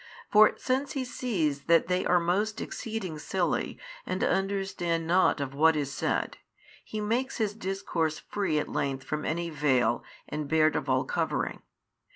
For since He sees that they are most exceeding silly and understand nought of what is said, He makes His Discourse free at length from any veil and bared of all covering.